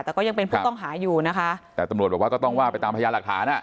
แต่ก็ยังเป็นผู้ต้องหาอยู่นะคะแต่ตำรวจบอกว่าก็ต้องว่าไปตามพยานหลักฐานอ่ะ